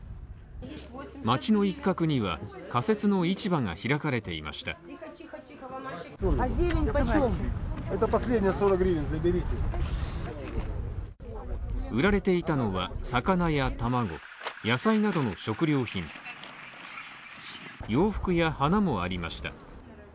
街の一角には仮設の市場が開かれていました売られていたのは、魚や卵、野菜などの食料品洋服や花もありました。